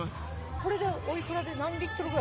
これでおいくらで、何リットルぐらい？